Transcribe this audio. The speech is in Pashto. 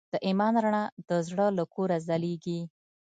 د ایمان رڼا د زړه له کوره ځلېږي.